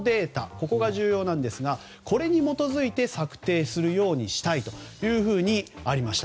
ここが重要なんですがこれに基づいて策定するようにしたいとありました。